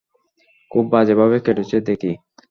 খুব বাজেভাবে কেটেছে দেখি।